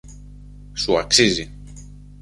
Σου αξίζει!